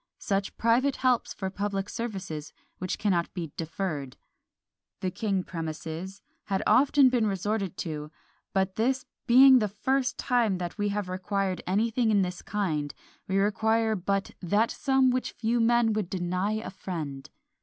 Such private helps for public services which cannot be deferred," the king premises, had been often resorted to; but this "being the first time that we have required anything in this kind, we require but that sum which few men would deny a friend."